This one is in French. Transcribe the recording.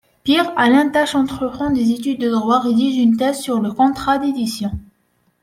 Pierre-Alain Tâche entreprend des études de droit, rédige une thèse sur le contrat d'édition.